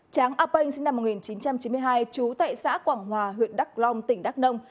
sáng ập anh sinh năm một nghìn chín trăm chín mươi hai chú tại xã quảng hòa huyện đắk long tỉnh đắk nông